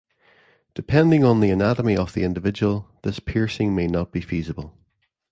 Depending on the anatomy of the individual, this piercing may not be feasible.